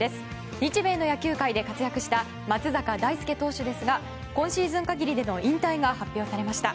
日米の野球界で活躍した松坂大輔投手ですが今シーズン限りでの引退が発表されました。